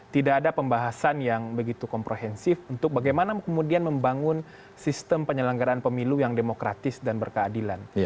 tidak ada pembahasan yang begitu komprehensif untuk bagaimana kemudian membangun sistem penyelenggaraan pemilu yang demokratis dan berkeadilan